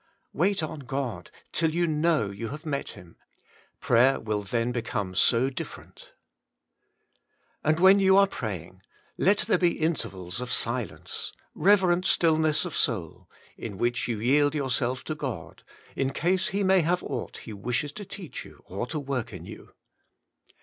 Wait on God till you know you have met Him; prayer will then become so different. And when you are praying, let there be intervals of silence, reverent stillness of soul, in which you yield yourself to God, in case He may have aught He wishes to teach you or to work in you.